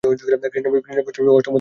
কৃষ্ণ বিষ্ণুর অষ্টম ও পূর্ণাবতার।